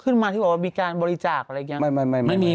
มาที่บอกว่ามีการบริจาคอะไรอย่างนี้